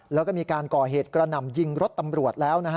แล้วก็มีการก่อเหตุกระหน่ำยิงรถตำรวจแล้วนะฮะ